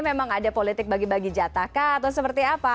memang ada politik bagi bagi jatahkah atau seperti apa